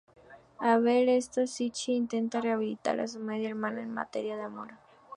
Al ver esto, Shinichi intenta rehabilitar a su media hermana en materia de amor.